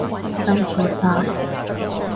辛苦晒！